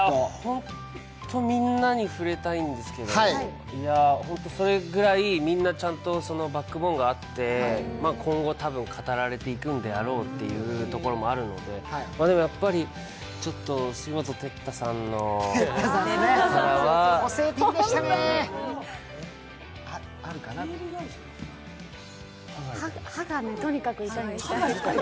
本当、みんなに触れたいんですけど、それぐらいみんなちゃんとバックボーンがあって、今後語られていくんだろうというのがあるんですけど、でもやっぱり、杉本哲太さんのキャラは歯がとにかく痛い。